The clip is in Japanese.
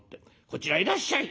こちらへいらっしゃい。